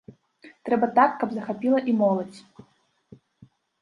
Трэба так, каб захапіла і моладзь.